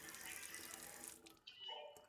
担任广西花红药业股份有限公司董事长。